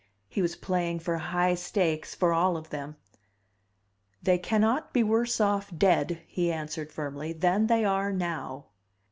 He was playing for high stakes for all of them. "They cannot be worse off dead," he answered firmly, "than they are now."